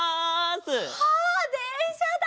あっでんしゃだ！